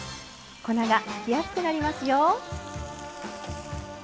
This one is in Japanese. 粉がふきやすくなりますよ。